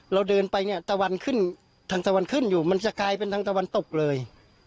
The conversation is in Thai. เราเดินไปเนี่ยตะวันขึ้นทางตะวันขึ้นอยู่มันจะกลายเป็นทางตะวันตกเลย